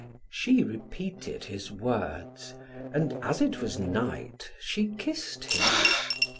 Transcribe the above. She repeated his words, and as it was night, she kissed him.